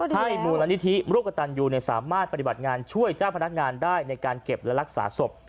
มูลนิธิร่วมกับตันยูสามารถปฏิบัติงานช่วยเจ้าพนักงานได้ในการเก็บและรักษาศพ